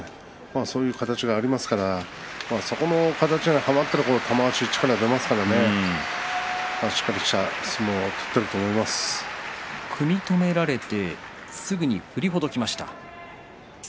そういう形がありますからそこの形にはまったら玉鷲、力が出ますからねしっかりとした相撲を組み止められてすぐに振りほどきました。